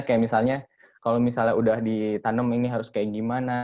kayak misalnya kalau misalnya udah ditanam ini harus kayak gimana